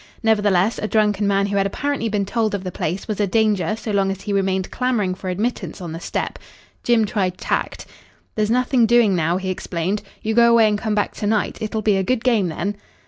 Nevertheless, a drunken man who had apparently been told of the place was a danger so long as he remained clamouring for admittance on the step. Jim tried tact. "There's nothing doing now," he explained. "You go away and come back to night. It'll be a good game then."